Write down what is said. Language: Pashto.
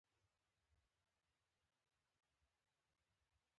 آیا دوی په هر ډګر کې فعالې نه دي؟